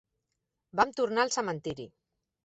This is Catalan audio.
Vam tornar al cementiri.